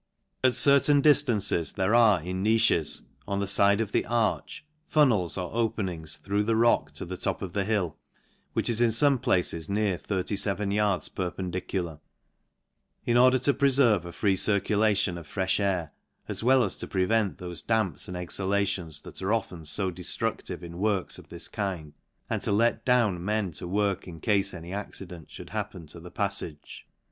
At certain diffances there are, in niches, on the fide of the arch, funnels or openings through the rock to the top of the hill (which is in fome places near 37 yards perpendicular) in order to preferve a ixzt circulation of frefh air, as well as to prevent thofe damps and exhalations that are often fo def ftru&ive in works of this kind, and to letdown men to work in cafe any accident fhould happen to the paiTage.